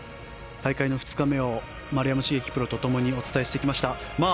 大会の２日目を丸山茂樹プロとともにお伝えしてきました。